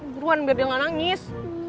buruan biar dia gak nangis